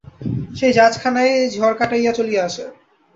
সেই জাহাজখানিই ঝড় কাটাইয়া চলিয়া আসে।